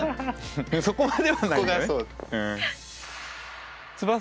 そこまではないね。